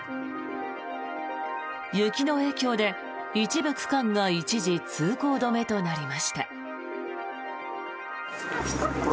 雪の影響で一部区間が一時、通行止めとなりました。